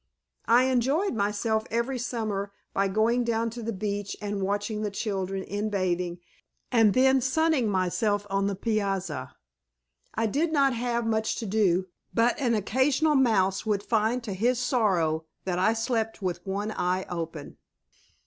I enjoyed myself every summer by going down to the beach and watching the children in bathing and then sunning myself on the piazza. I did not have much to do, but an occasional mouse would find to his sorrow that I slept with one eye open.